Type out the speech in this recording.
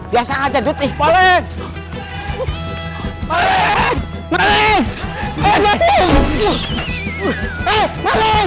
iya dut ini kan pelan pelan